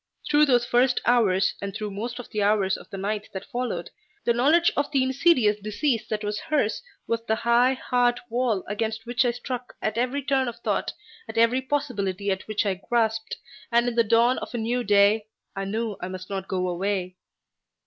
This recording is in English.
Through those first hours, and through most of the hours of the night that followed, the knowledge of the insidious disease that was hers was the high, hard wall against which I struck at every turn of thought, at every possibility at which I grasped, and in the dawn of a new day I knew I must not go away.